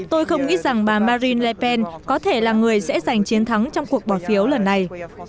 tôi không nghĩ rằng bà marine le pen có thể là người sẽ giành chiến thắng trong cuộc bỏ phiếu lần này